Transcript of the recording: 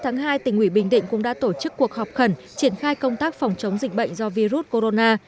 ngày hai tỉnh ủy bình định cũng đã tổ chức cuộc họp khẩn triển khai công tác phòng chống dịch bệnh do virus corona